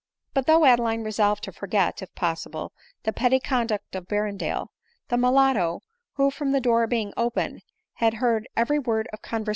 But though Adeline resolved to forget, if po&ible, the petty conduct of Berrendale — the mulatto, who, from the doibr being open, had heard every word of conver 19* 218 ADELINE MOWBRAY.